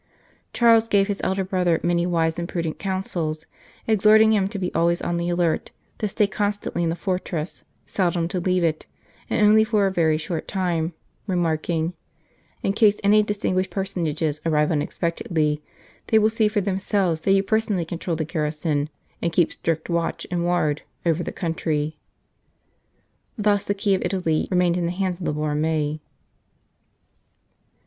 Charles gave his elder brother many wise and prudent counsels, exhorting him to be always on the alert, to stay constantly in the fortress, seldom to leave it, and only for a very short time, remarking :" In case any distinguished personages arrive unexpectedly, they will see for themselves that you personally control the garrison, and keep strict watch and ward over the country." Thus the key of Italy remained in the hands of the Borromei.